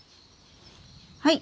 はい！